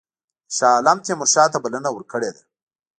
شاه عالم تیمورشاه ته بلنه ورکړې ده.